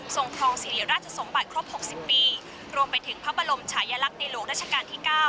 ครองสิริราชสมบัติครบ๖๐ปีรวมไปถึงพระบรมชายลักษณ์ในหลวงราชการที่๙